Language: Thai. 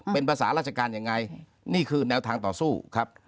เป็นภาษาราชการยังไงนี่คือแนวทางต่อสู้ครับ